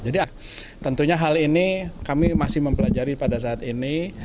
jadi tentunya hal ini kami masih mempelajari pada saat ini